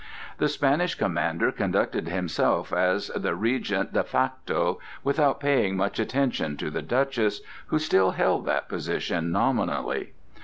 The Spanish commander conducted himself as the regent de facto without paying much attention to the Duchess, who still held that position nominally.